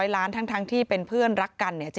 ล้านทั้งที่เป็นเพื่อนรักกันเนี่ย